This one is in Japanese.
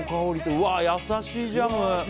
うわー、優しいジャム！